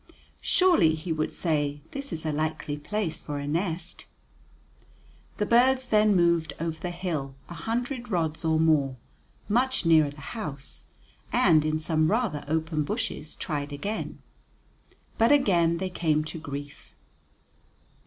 "Surely," he would say, "this is a likely place for a nest." The birds then moved over the hill a hundred rods or more, much nearer the house, and in some rather open bushes tried again. But again they came to grief.